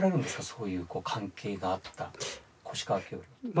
そういう関係があった越川橋梁の。